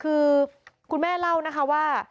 คือคุณแม่เล่านะคะว่า